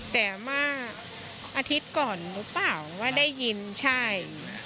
แต่เมื่ออาทิตย์ก่อนรู้เปล่าว่าได้ยินใช่